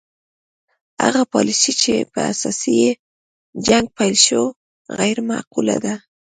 هغه پالیسي چې په اساس یې جنګ پیل شو غیر معقوله ده.